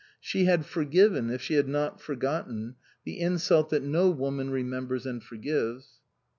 She had forgiven, if she had not forgotten, the insult that no woman remembers and forgives.